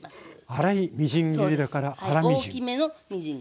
粗いみじん切りだから粗みじん。